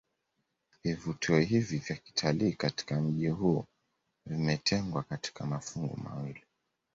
Vivutio hivi vya kitalii katika mji huu vimetengwa katika mafungu mawili